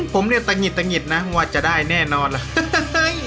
ผมเนี่ยตะหิดตะหิดนะว่าจะได้แน่นอนล่ะ